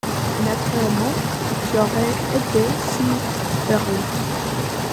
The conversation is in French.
Naturellement, j'aurais été si heureux.